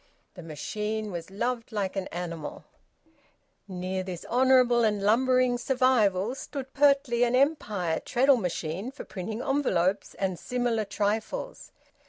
The machine was loved like an animal. Near this honourable and lumbering survival stood pertly an Empire treadle machine for printing envelopes and similar trifles.